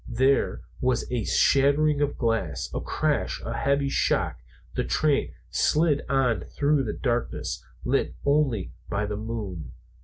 There was a shattering of glass, a crash, a heavy shock, and the train slid on through the darkness, lit only by the moon.